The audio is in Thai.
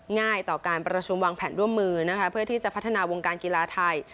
ง่ายต่อการประชุมวางแผนร่วมมือนะคะเพื่อที่จะพัฒนาวงการกีฬาไทย